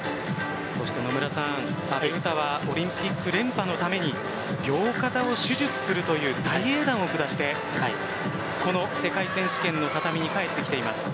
野村さん、阿部詩はオリンピック連覇のために両肩を手術するという大英断を下してこの世界選手権の畳に帰ってきています。